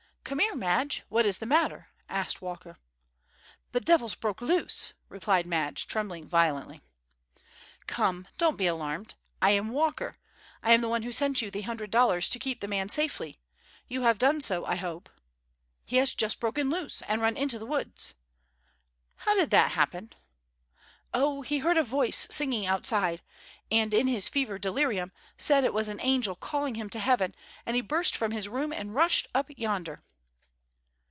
"Come here, Madge. What is the matter?" asked Walker. "The devil's broke loose!" replied Madge, trembling violently. "Come, don't be alarmed; I am Walker. I am the one who sent you the hundred dollars to keep the man safely. You have done so, I hope." "He has just broke loose, and run into the woods." "How did that happen?" "Oh, he heard a voice singing outside, and, in his fever delirium, said it was an angel calling him to heaven, and he burst from his room and rushed up yonder."